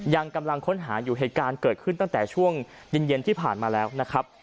ยังกำลังค้นหาอยู่เหตุการณ์เกิดขึ้นตั้งแต่ช่วงเย็นที่ผ่านมาแล้วนะครับ